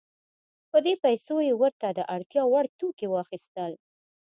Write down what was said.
په دې پیسو یې ورته د اړتیا وړ توکي واخیستل.